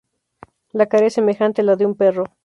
La cara es semejante a la de un perro.